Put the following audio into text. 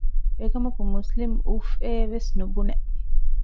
އެކަމަކު މުސްލިމް އުފްއޭވެސް ނުބުނެ